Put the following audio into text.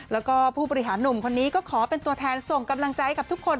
แล้วก็ผู้บริหารหนุ่มคนนี้ก็ขอเป็นตัวแทนส่งกำลังใจกับทุกคน